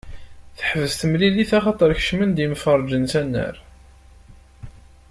Teḥbes temilit axaṭer kecmen-d yemferrĝen s annar.